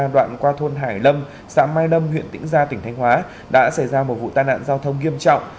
đoạn qua thôn hải lâm xã mai lâm huyện tĩnh gia tỉnh thanh hóa đã xảy ra một vụ tai nạn giao thông nghiêm trọng